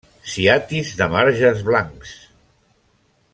Ciatis de marges blancs.